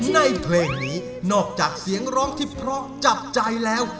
ในเพลงนี้นอกจากเสียงร้องที่เพราะจับใจแล้ว